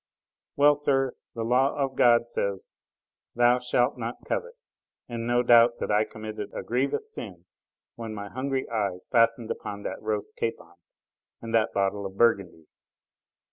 Well, sir, the law of God says: "Thou shalt not covet!" and no doubt that I committed a grievous sin when my hungry eyes fastened upon that roast capon and that bottle of Burgundy.